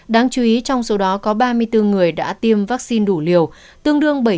đáng chú ý trong số đó có ba mươi bốn người đã tiêm vaccine đủ liều tương đương bảy mươi